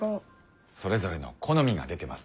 それぞれの好みが出てますね。